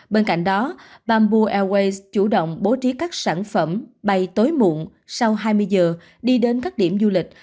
bên cạnh đó bamboo airways chủ động bố trí các sản phẩm bay tối muộn sau hai mươi giờ đi đến các điểm du lịch